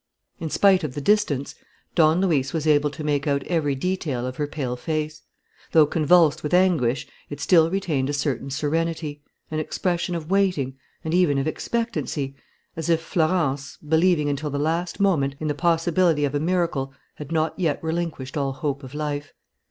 In spite of the distance, Don Luis was able to make out every detail of her pale face. Though convulsed with anguish, it still retained a certain serenity, an expression of waiting and even of expectancy, as if Florence, believing, until the last moment, in the possibility of a miracle, had not yet relinquished all hope of life.